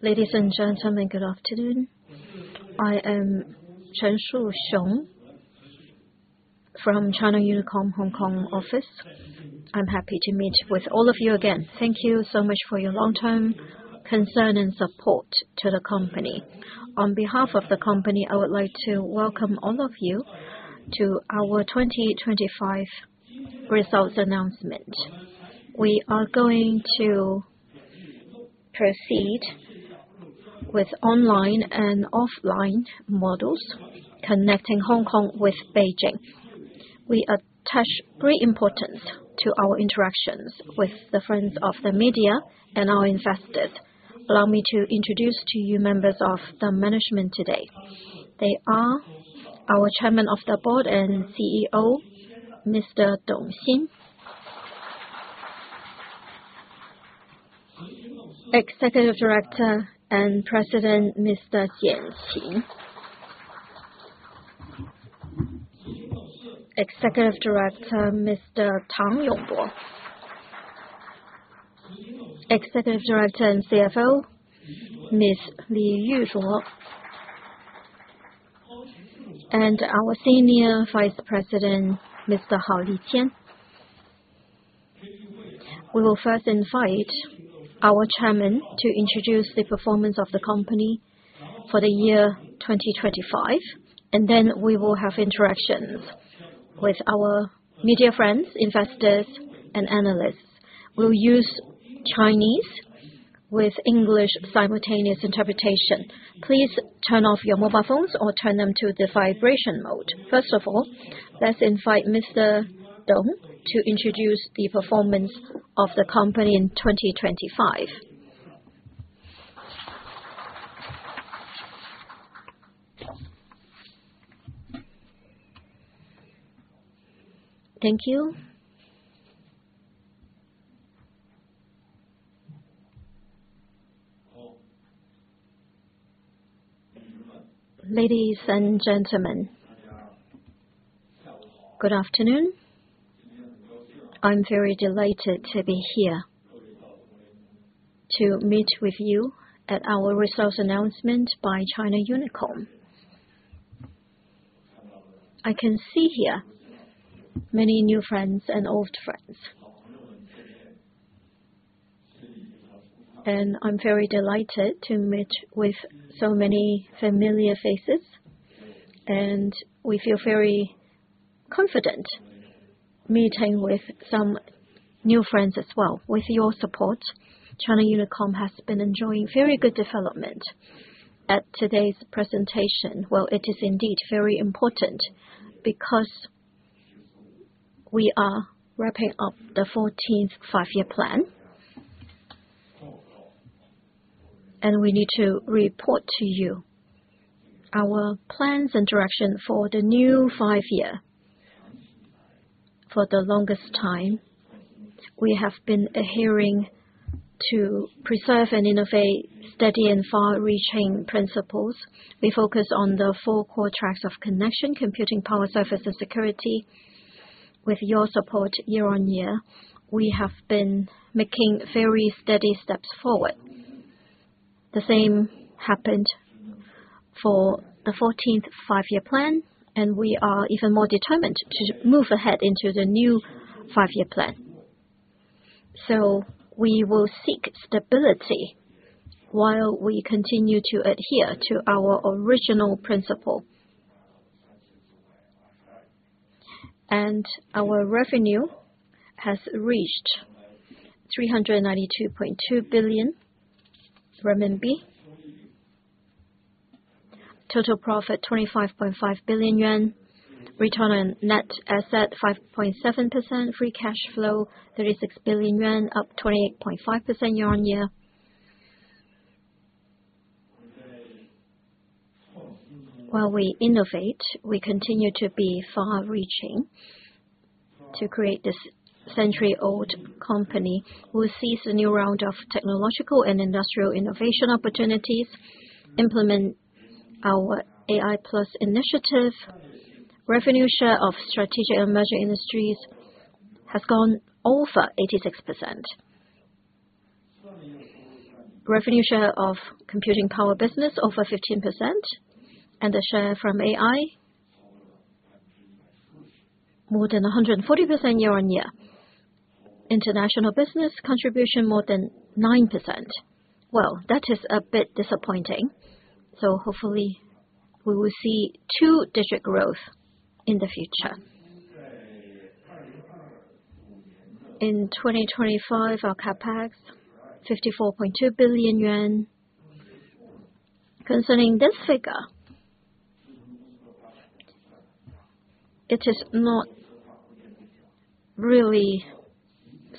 Ladies and gentlemen, good afternoon. I am Chen Zhongyue from China Unicom Hong Kong office. I'm happy to meet with all of you again. Thank you so much for your long-term concern and support to the company. On behalf of the company, I would like to welcome all of you to our 2025 results announcement. We are going to proceed with online and offline models connecting Hong Kong with Beijing. We attach great importance to our interactions with the friends of the media and our investors. Allow me to introduce to you members of the management today. They are our Chairman of the Board and CEO, Mr. Dong Xin. Executive Director and President, Mr. Jian Qin. Executive Director, Mr. Tang Yongbo. Executive Director and CFO, Ms. Li Yuzhuo. Our Senior Vice President, Mr. Hao Liqian. We will first invite our chairman to introduce the performance of the company for the year 2025, and then we will have interactions with our media friends, investors, and analysts. We'll use Chinese with English simultaneous interpretation. Please turn off your mobile phones or turn them to the vibration mode. First of all, let's invite Mr. Dong to introduce the performance of the company in 2025. Thank you. Hello. Ladies and gentlemen. Good afternoon. I'm very delighted to be here to meet with you at our results announcement by China Unicom. I can see here many new friends and old friends. I'm very delighted to meet with so many familiar faces, and we feel very confident meeting with some new friends as well. With your support, China Unicom has been enjoying very good development. At today's presentation, well, it is indeed very important because we are wrapping up the 14th Five-Year Plan. We need to report to you our plans and direction for the 15th Five-Year Plan. For the longest time, we have been adhering to preserve and innovate steady and far-reaching principles. We focus on the four core tracks of connection, computing power, service, and security. With your support year on year, we have been making very steady steps forward. The same happened for the 14th Five-Year Plan, and we are even more determined to move ahead into the 15th Five-Year Plan. We will seek stability while we continue to adhere to our original principle. Our revenue has reached CNY 392.2 billion. Total profit, 25.5 billion yuan. Return on net asset, 5.7%. Free cash flow, 36 billion yuan, up 28.5% year-on-year. While we innovate, we continue to be far-reaching to create this century-old company. We'll seize the new round of technological and industrial innovation opportunities, implement our AI+ initiative. Revenue share of strategic emerging industries has gone over 86%. Revenue share of computing power business over 15%, and the share from AI more than 140% year-on-year. International business contribution more than 9%. Well, that is a bit disappointing, so hopefully we will see two-digit growth in the future. In 2025, our CapEx, 54.2 billion yuan. Concerning this figure, it is not really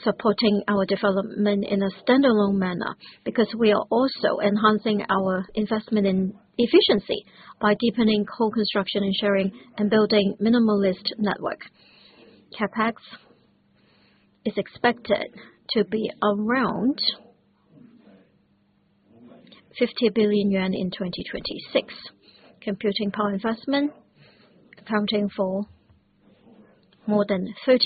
supporting our development in a standalone manner because we are also enhancing our investment in efficiency by deepening co-construction and sharing and building minimalist network. CapEx is expected to be around 50 billion yuan in 2026. Computing power investment accounting for more than 35%.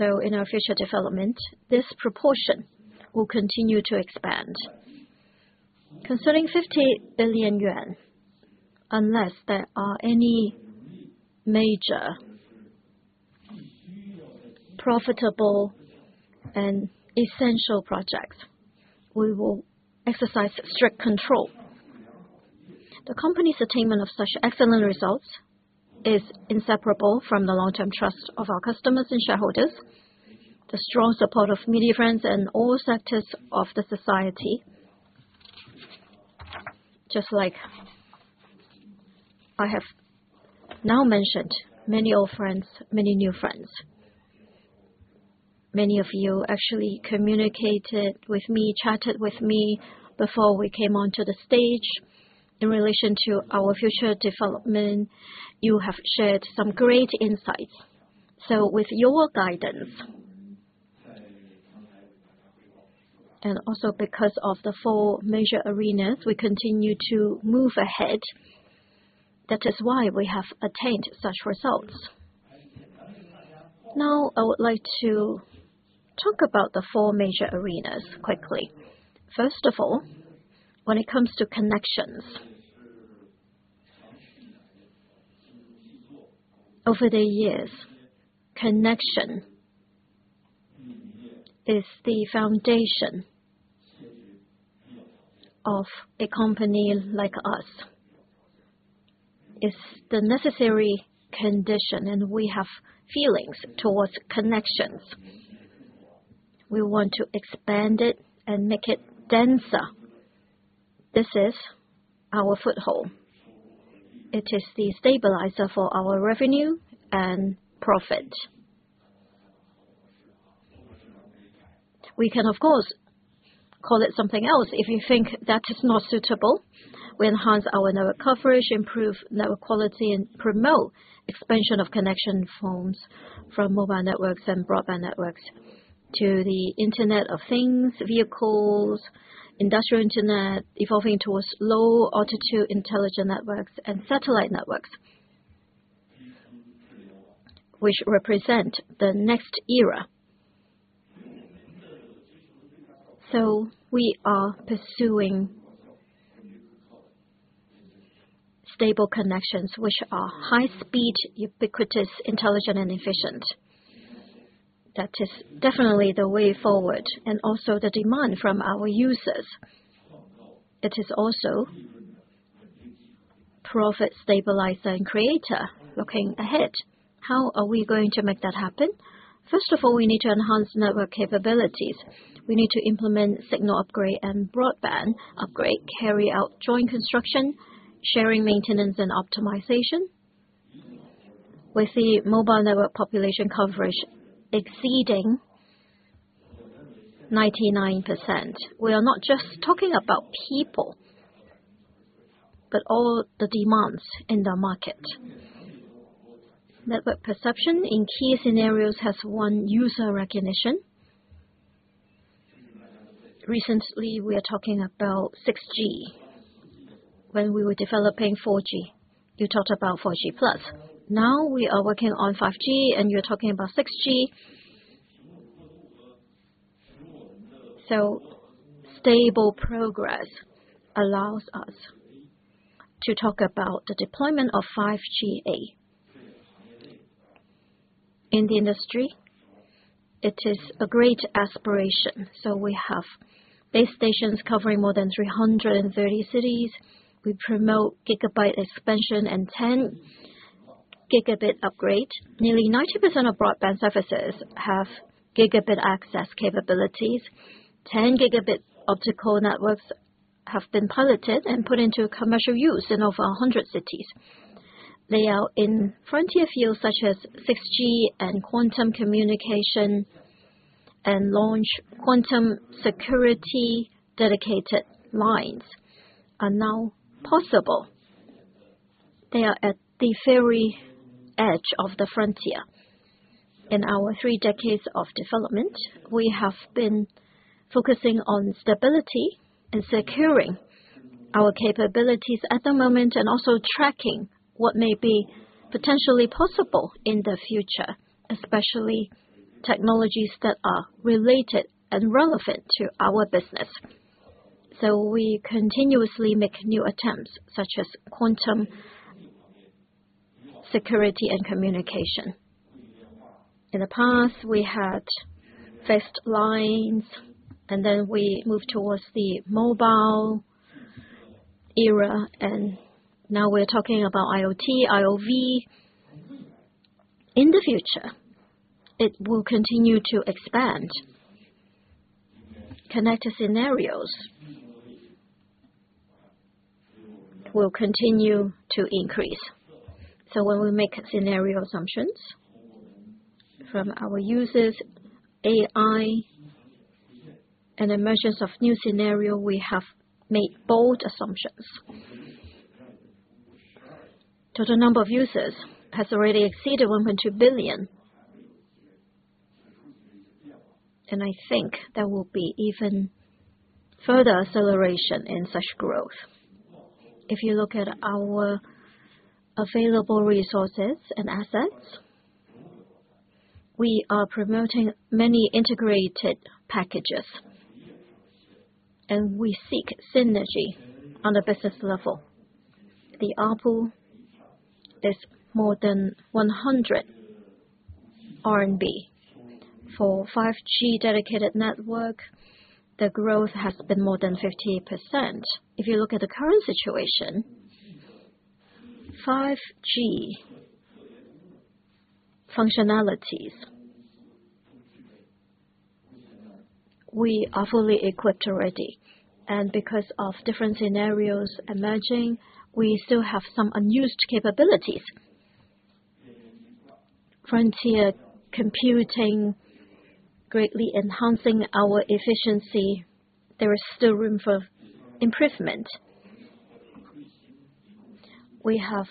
In our future development, this proportion will continue to expand. Concerning 50 billion yuan, unless there are any major profitable and essential projects, we will exercise strict control. The company's attainment of such excellent results is inseparable from the long-term trust of our customers and shareholders, the strong support of media friends and all sectors of the society. Just like I have now mentioned, many old friends, many new friends. Many of you actually communicated with me, chatted with me before we came onto the stage in relation to our future development. You have shared some great insights. With your guidance, and also because of the four major arenas, we continue to move ahead. That is why we have attained such results. Now I would like to talk about the four major arenas quickly. First of all, when it comes to connections. Over the years, connection is the foundation of a company like us. It's the necessary condition, and we have feelings towards connections. We want to expand it and make it denser. This is our foothold. It is the stabilizer for our revenue and profit. We can of course call it something else if you think that is not suitable. We enhance our network coverage, improve network quality, and promote expansion of connection forms from mobile networks and broadband networks to the Internet of things, vehicles, industrial internet, evolving towards low-altitude intelligent networks and satellite networks, which represent the next era. We are pursuing stable connections which are high speed, ubiquitous, intelligent and efficient. That is definitely the way forward and also the demand from our users. It is also profit stabilizer and creator. Looking ahead, how are we going to make that happen? First of all, we need to enhance network capabilities. We need to implement signal upgrade and broadband upgrade, carry out joint construction, sharing, maintenance and optimization. With the mobile network population coverage exceeding 99%, we are not just talking about people, but all the demands in the market. Network perception in key scenarios has won user recognition. Recently, we are talking about 6G. When we were developing 4G, you talked about 4G plus. Now we are working on 5G and you're talking about 6G. Stable progress allows us to talk about the deployment of 5G-A. In the industry, it is a great aspiration. We have base stations covering more than 330 cities. We promote gigabit expansion and 10 GB upgrade. Nearly 90% of broadband services have gigabit access capabilities. 10 GB optical networks have been piloted and put into commercial use in over 100 cities. They are in frontier fields such as 6G and quantum communication, and launching quantum-secure dedicated lines is now possible. They are at the very edge of the frontier. In our three decades of development, we have been focusing on stability and securing our capabilities at the moment and also tracking what may be potentially possible in the future, especially technologies that are related and relevant to our business. We continuously make new attempts such as quantum-secure communication. In the past, we had fixed lines, and then we moved towards the mobile era, and now we're talking about IoT, IoV. In the future, it will continue to expand. Connected scenarios will continue to increase. When we make scenario assumptions from our users, AI and emergence of new scenario, we have made bold assumptions. Total number of users has already exceeded 1.2 billion. I think there will be even further acceleration in such growth. If you look at our available resources and assets, we are promoting many integrated packages, and we seek synergy on a business level. The ARPU is more than 100 RMB. For 5G dedicated network, the growth has been more than 50%. If you look at the current situation, 5G functionalities, we are fully equipped already. Because of different scenarios emerging, we still have some unused capabilities. Frontier computing greatly enhancing our efficiency. There is still room for improvement. We have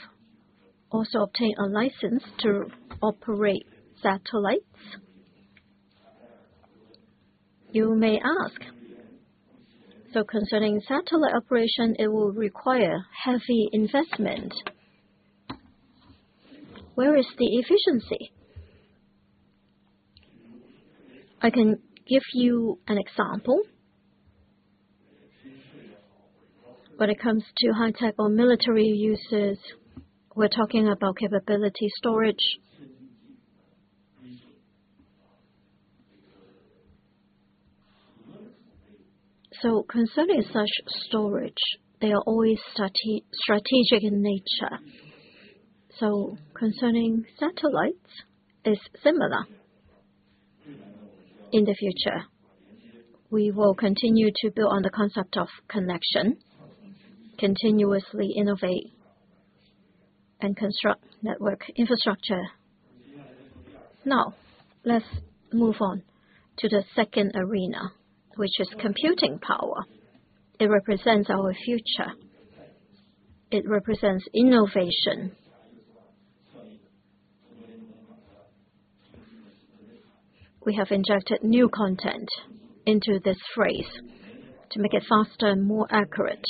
also obtained a license to operate satellites. You may ask, concerning satellite operation, it will require heavy investment. Where is the efficiency? I can give you an example. When it comes to high-tech or military uses, we're talking about capability storage. Concerning such storage, they are always strategic in nature. Concerning satellites is similar. In the future, we will continue to build on the concept of connection, continuously innovate and construct network infrastructure. Now, let's move on to the second arena, which is computing power. It represents our future. It represents innovation. We have injected new content into this phrase to make it faster and more accurate.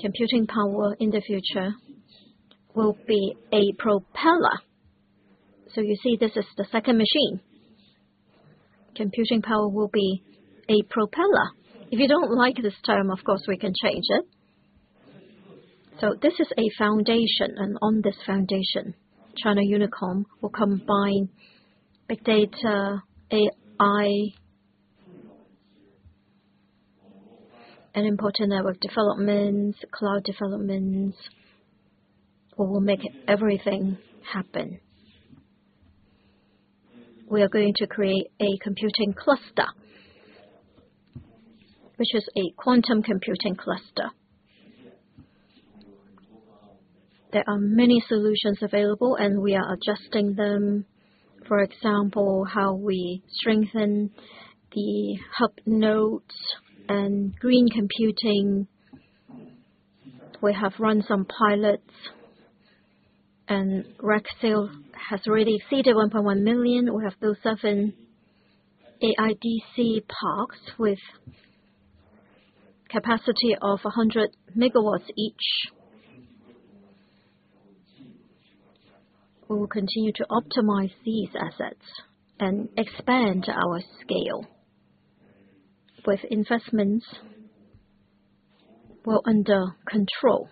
Computing power in the future will be a propeller. You see, this is the second machine. Computing power will be a propeller. If you don't like this term, of course, we can change it. This is a foundation, and on this foundation, China Unicom will combine big data, AI, and important network developments, cloud developments. We will make everything happen. We are going to create a computing cluster, which is a quantum computing cluster. There are many solutions available, and we are adjusting them, for example, how we strengthen the hub nodes and green computing. We have run some pilots, and rack sales has already exceeded 1.1 million. We have those seven AIDC parks with capacity of 100 MW each. We will continue to optimize these assets and expand our scale with investments well under control.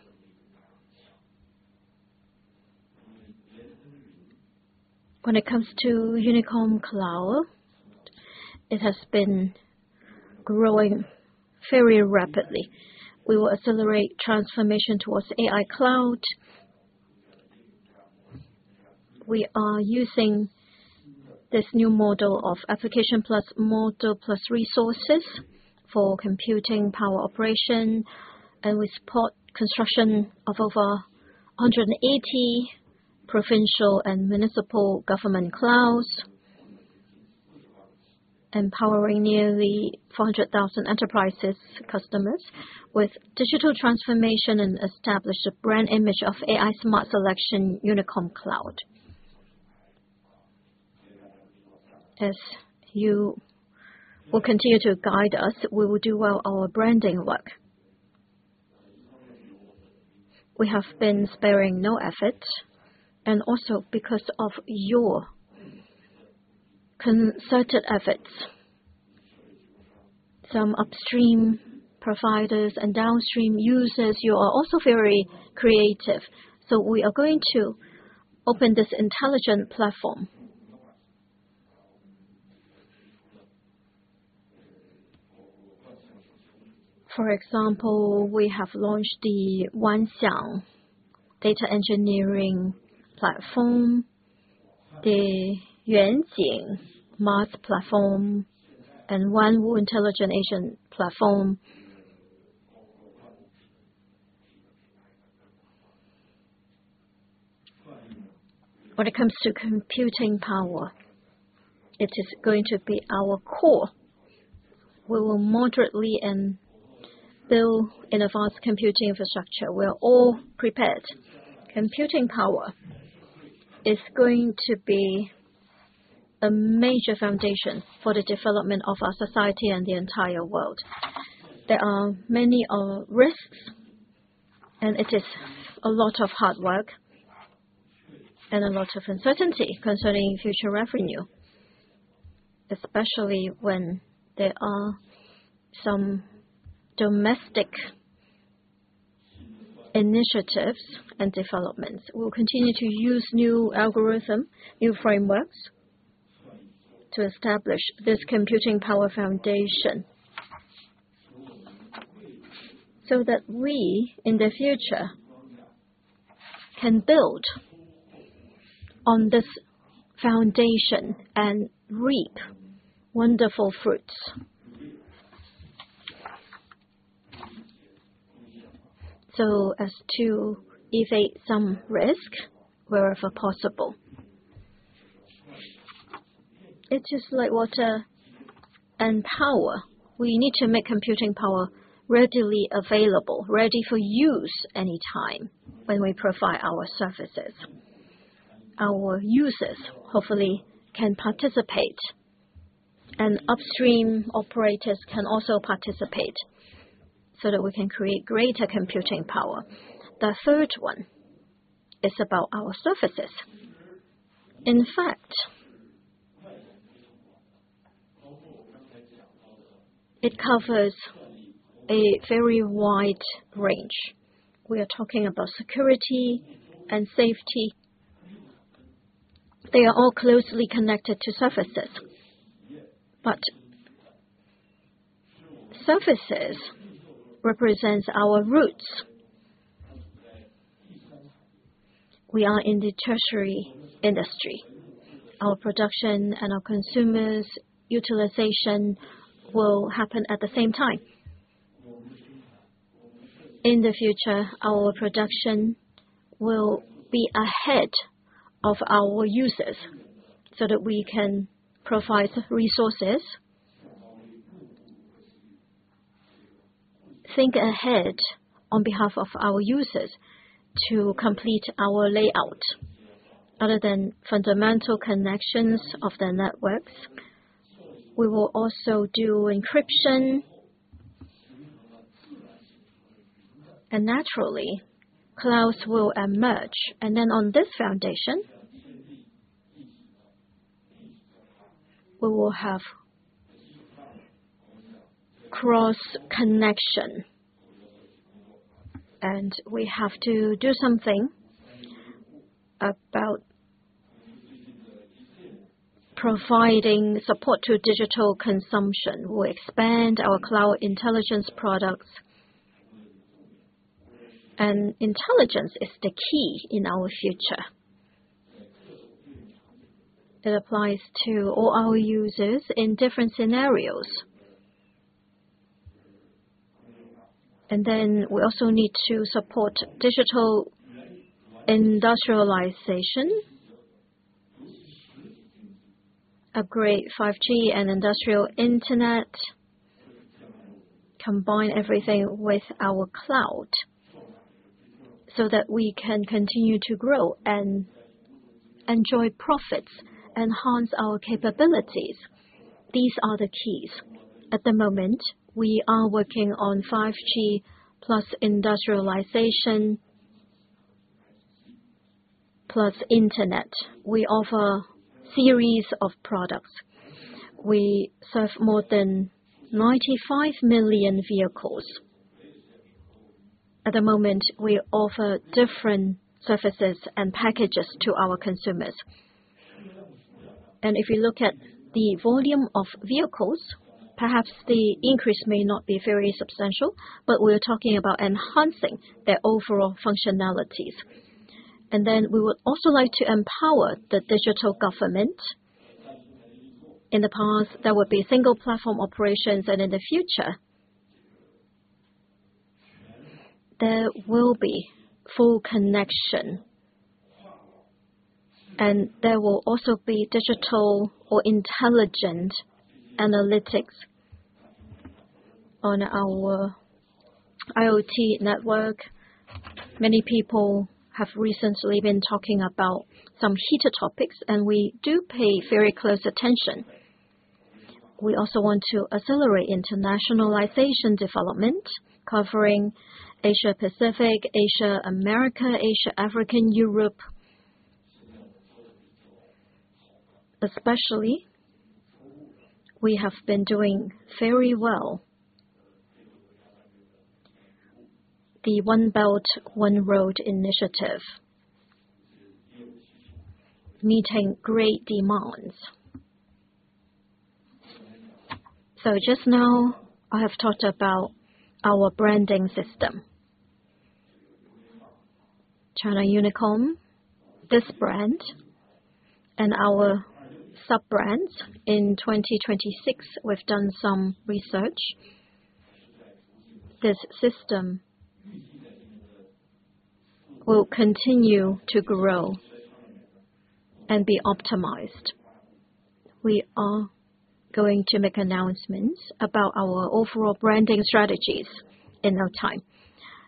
When it comes to Unicom Cloud, it has been growing very rapidly. We will accelerate transformation towards AI cloud. We are using this new model of application plus model plus resources for computing power operation, and we support construction of over 180 provincial and municipal government clouds, empowering nearly 400,000 enterprise customers with digital transformation and established a brand image of AI-Optimized Unicom Cloud. As you will continue to guide us, we will do our branding work. We have been sparing no effort, and also because of your concerted efforts. Some upstream providers and downstream users, you are also very creative. We are going to open this intelligent platform. For example, we have launched the Wanxiang data engineering platform, the Yuanjing model platform, and Wanwu intelligent agent platform. When it comes to computing power, it is going to be our core. We will moderately and build an advanced computing infrastructure. We are all prepared. Computing power is going to be a major foundation for the development of our society and the entire world. There are many risks, and it is a lot of hard work and a lot of uncertainty concerning future revenue, especially when there are some domestic initiatives and developments. We'll continue to use new algorithm, new frameworks to establish this computing power foundation. That we, in the future, can build on this foundation and reap wonderful fruits. As to evade some risk wherever possible. It's just like water and power. We need to make computing power readily available, ready for use any time when we provide our services. Our users hopefully can participate, and upstream operators can also participate so that we can create greater computing power. The third one is about our services. In fact, it covers a very wide range. We are talking about security and safety. They are all closely connected to services. Services represents our roots. We are in the tertiary industry. Our production and our consumers' utilization will happen at the same time. In the future, our production will be ahead of our users so that we can provide resources. Think ahead on behalf of our users to complete our layout. Other than fundamental connections of the networks, we will also do encryption. Naturally, clouds will emerge. Then on this foundation, we will have cross-connection. We have to do something about providing support to digital consumption. We'll expand our cloud intelligence products. Intelligence is the key in our future. It applies to all our users in different scenarios. Then we also need to support digital industrialization, upgrade 5G and industrial internet. Combine everything with our cloud so that we can continue to grow and enjoy profits, enhance our capabilities. These are the keys. At the moment, we are working on 5G plus industrialization, plus internet. We offer series of products. We serve more than 95 million vehicles. At the moment, we offer different services and packages to our consumers. If you look at the volume of vehicles, perhaps the increase may not be very substantial, but we're talking about enhancing their overall functionalities. We would also like to empower the digital government. In the past, there would be single platform operations, and in the future, there will be full connection. There will also be digital or intelligent analytics on our IoT network. Many people have recently been talking about some heated topics, and we do pay very close attention. We also want to accelerate internationalization development covering Asia Pacific, Asia, America, Asia, Africa, Europe. Especially, we have been doing very well. The One Belt, One Road initiative. Meeting great demands. Just now I have talked about our branding system. China Unicom, this brand, and our sub-brands. In 2026, we've done some research. This system will continue to grow and be optimized. We are going to make announcements about our overall branding strategies in no time.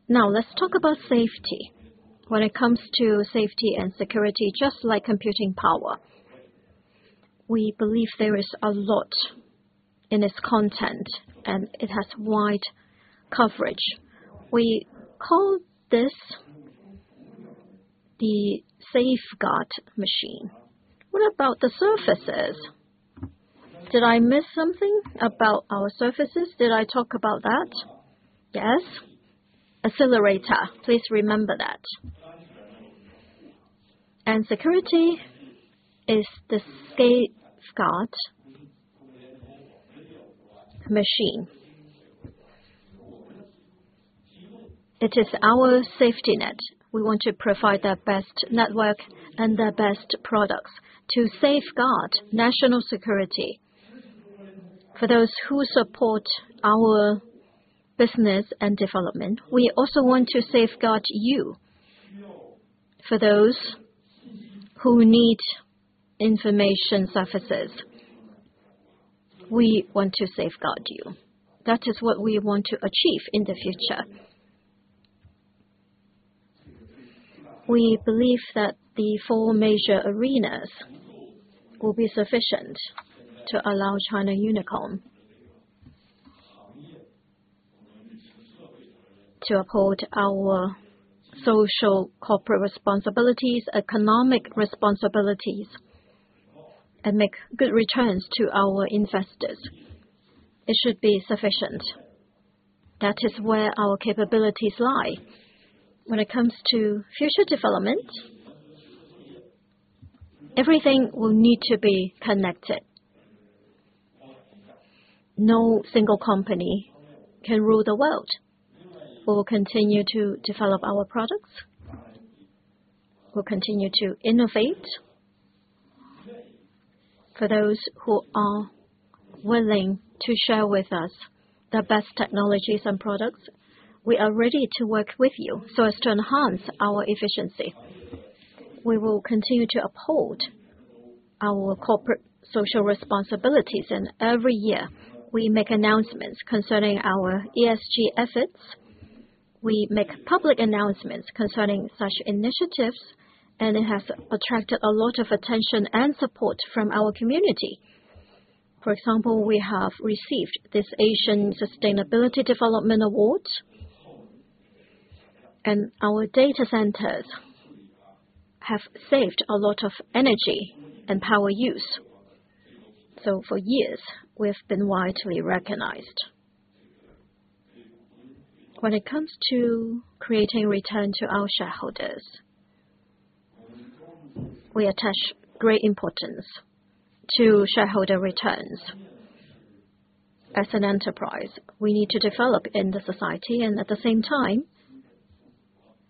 Now, let's talk about safety. When it comes to safety and security, just like computing power, we believe there is a lot in its content, and it has wide coverage. We call this the Safeguard Machine. What about the services? Did I miss something about our services? Did I talk about that? Yes. Accelerator. Please remember that. Security is the Safeguard Machine. It is our safety net. We want to provide the best network and the best products to safeguard national security. For those who support our business and development, we also want to safeguard you. For those who need information services, we want to safeguard you. That is what we want to achieve in the future. We believe that the four major arenas will be sufficient to allow China Unicom to uphold our social corporate responsibilities, economic responsibilities, and make good returns to our investors. It should be sufficient. That is where our capabilities lie. When it comes to future development, everything will need to be connected. No single company can rule the world. We will continue to develop our products. We'll continue to innovate. For those who are willing to share with us their best technologies and products, we are ready to work with you so as to enhance our efficiency. We will continue to uphold our corporate social responsibilities, and every year, we make announcements concerning our ESG efforts. We make public announcements concerning such initiatives, and it has attracted a lot of attention and support from our community. For example, we have received this Asia Sustainability Award. Our data centers have saved a lot of energy and power use. For years, we have been widely recognized. When it comes to creating return to our shareholders, we attach great importance to shareholder returns. As an enterprise, we need to develop in the society, and at the same time,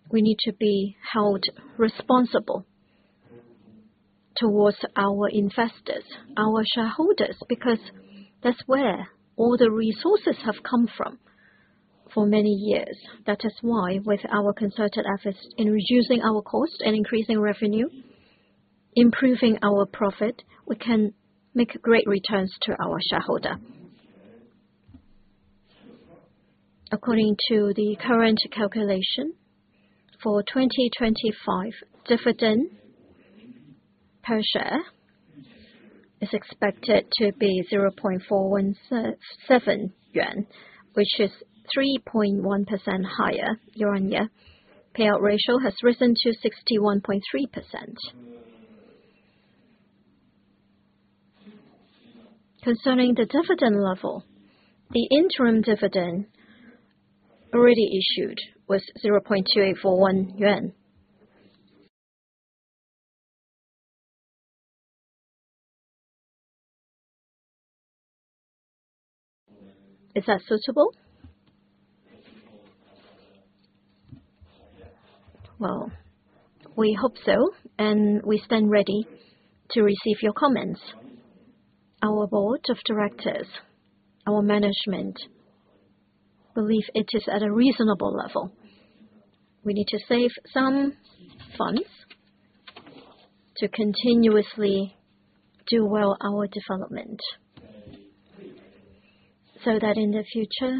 we need to be held responsible towards our investors, our shareholders, because that's where all the resources have come from for many years. That is why with our concerted efforts in reducing our cost and increasing revenue, improving our profit, we can make great returns to our shareholder. According to the current calculation for 2025, dividend per share is expected to be 0.417 yuan, which is 3.1% higher year-on-year. Payout ratio has risen to 61.3%. Concerning the dividend level, the interim dividend already issued was CNY 0.2841. Is that suitable? Well, we hope so, and we stand ready to receive your comments. Our board of directors, our management believe it is at a reasonable level. We need to save some funds to continuously do well our development. That in the future,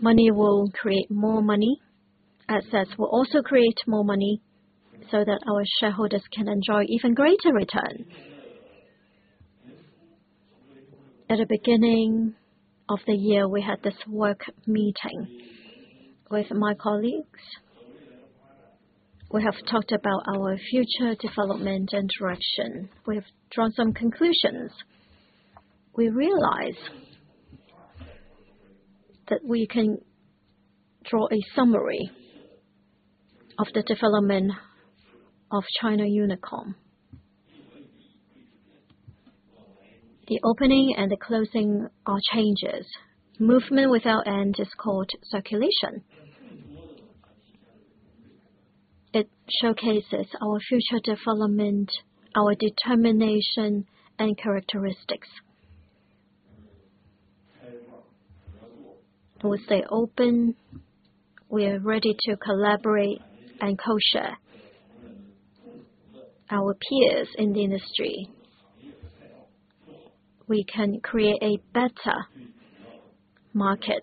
money will create more money. Assets will also create more money so that our shareholders can enjoy even greater return. At the beginning of the year, we had this work meeting with my colleagues. We have talked about our future development and direction. We have drawn some conclusions. We realized that we can draw a summary of the development of China Unicom. The opening and the closing are changes. Movement without end is called circulation. It showcases our future development, our determination and characteristics. We'll stay open. We are ready to collaborate and co-share our peers in the industry. We can create a better market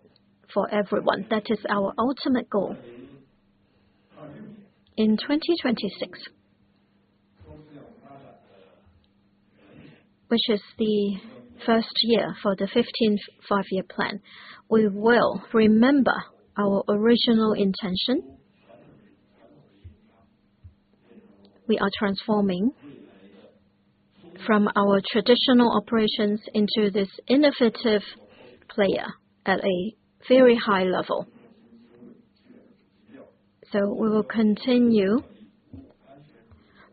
for everyone. That is our ultimate goal. In 2026, which is the first year for the 15th Five-Year Plan, we will remember our original intention. We are transforming from our traditional operations into this innovative player at a very high level. We will continue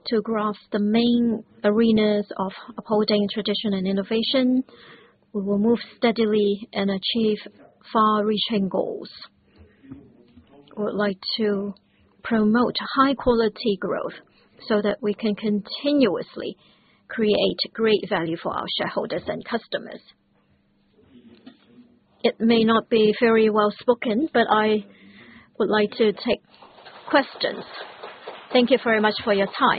to grasp the main arenas of upholding tradition and innovation. We will move steadily and achieve far-reaching goals. We would like to promote high-quality growth so that we can continuously create great value for our shareholders and customers. It may not be very well spoken, but I would like to take questions. Thank you very much for your time.